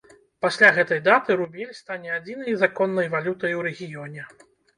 Пасля гэтай даты рубель стане адзінай законнай валютай у рэгіёне.